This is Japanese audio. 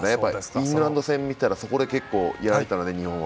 イングランド戦見たらそこを結構やられたので、日本は。